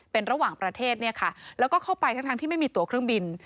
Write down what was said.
เป็นระหว่างประเทศเนี่ยค่ะแล้วก็เข้าไปทั้งที่ไม่มีตัวเครื่องบิน